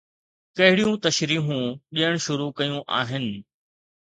ڪهڙيون تشريحون ڏيڻ شروع ڪيون آهن.